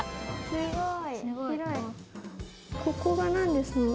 すごい。